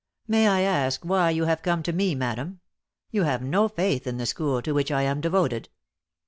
May I ask why you have come to me, madam? You have no faith in the school to which I am devoted."